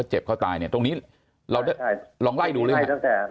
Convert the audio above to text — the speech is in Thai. เขาเจ็บเข้าตายเนี่ยเราลองไล่ดูได้ไหมครับ